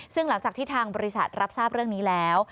ซึ่งหลังจากที่ทางบริษัทรับทราบเรื่องนี้แล้ว